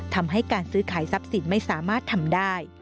ทำให้การซื้อขายทรัพย์สินไม่สามารถทำได้